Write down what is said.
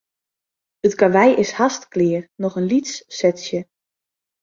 It karwei is hast klear, noch in lyts setsje.